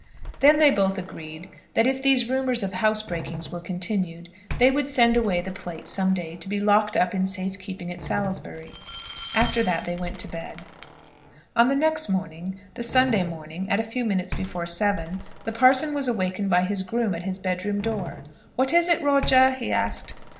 Then they both agreed that if these rumours of housebreakings were continued, they would send away the plate some day to be locked up in safe keeping at Salisbury. After that they went to bed. On the next morning, the Sunday morning, at a few minutes before seven, the parson was awakened by his groom at his bedroom door. "What is it, Roger?" he asked.